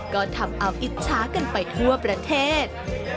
ก็ทำเอาอิจฉากันไปทั่วประเทศ